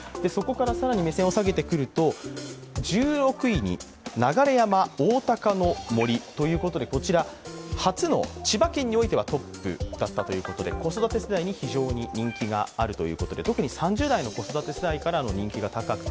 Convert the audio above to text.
更に目線を下げてくると１６位に、流山おおたかの森ということで、初の千葉県においてはトップだったということで、子育て世代に非常に人気があるということで特に３０代の子育て世代からの人気が高くて